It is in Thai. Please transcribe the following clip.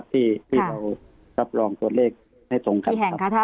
ที่เรารับรองตัวเลขให้ตรงกัน